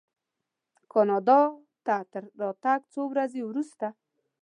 کاناډا ته تر راتګ څو ورځې وروسته.